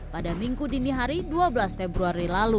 pada minggu dini hari dua belas februari lalu